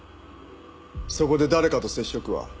そこで誰かと接触は？